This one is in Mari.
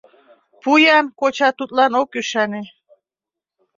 — Пу-ян, — коча тудлан ок ӱшане.